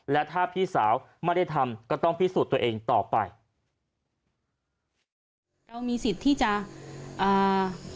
และถ้าพี่สาวไม่ได้ทำก็ต้องพิสูจน์ตัวเองต่อไปเรามีสิทธิ์ที่จะอ่า